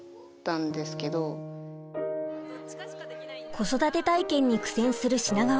子育て体験に苦戦する品川さん。